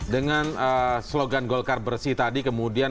dengan slogan golkar bersih tadi kemudian